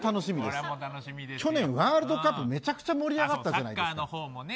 去年、ワールドカップめちゃくちゃ盛り上がったじゃないですか。